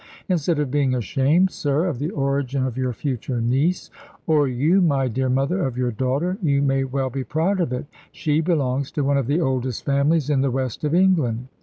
Instead of being ashamed, sir, of the origin of your future niece or you my dear mother of your daughter, you may well be proud of it. She belongs to one of the oldest families in the West of England.